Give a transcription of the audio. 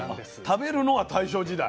食べるのは大正時代？